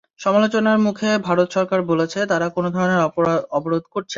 সমালোচনার মুখে ভারত সরকার বলেছে, তারা কোনো ধরনের অবরোধ করছে না।